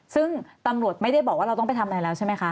ซึ่งตำรวจไม่ได้บอกว่าเราต้องไปทำอะไรแล้วใช่ไหมคะ